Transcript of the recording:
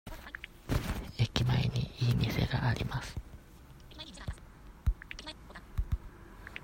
駅前にいい店があります。